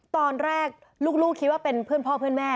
ตอนแรกลูกคิดว่าเป็นเพื่อนพ่อเพื่อนแม่